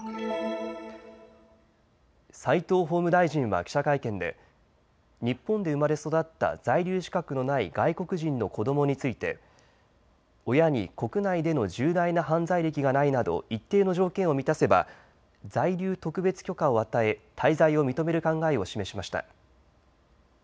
齋藤法務大臣は記者会見で日本で生まれ育った在留資格のない外国人の子どもについて親に国内での重大な犯罪歴がないなど一定の条件を満たせば在留特別許可を与え滞在を認める考えを示しました。